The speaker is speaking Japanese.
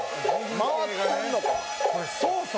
回ってんのか。